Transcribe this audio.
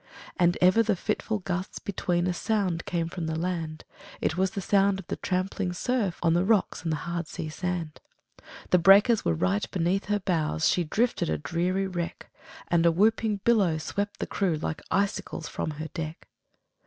And ever the fitful gusts between A sound came from the land; It was the sound of the trampling surf, On the rocks and the hard sea sand. The breakers were right beneath her bows, She drifted a dreary wreck, And a whooping billow swept the crew Like icicles from her deck.